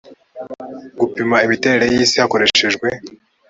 gupima imiterere y isi hakoreshejwe